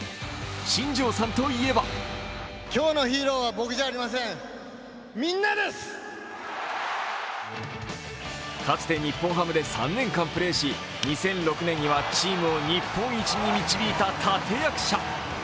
新庄さんといえばかつて日本ハムで３年間プレーし、２００６年にはチームを日本一に導いた立て役者。